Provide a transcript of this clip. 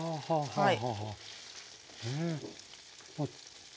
はい。